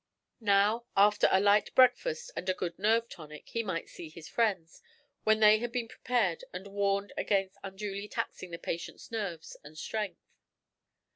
Now, 'after a light breakfast and good nerve tonic,' he might see his friends, when they had been prepared and warned against unduly taxing the patient's nerves and strength.